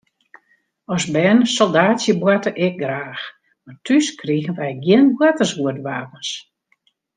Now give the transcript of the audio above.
As bern soldaatsjeboarte ik graach, mar thús krigen wy gjin boartersguodwapens.